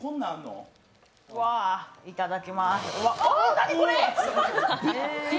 わぁ、いただきます。